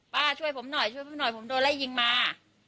ช่วยผมหน่อยช่วยพี่หน่อยผมโดนไล่ยิงมา